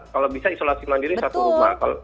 kalau bisa isolasi mandiri satu rumah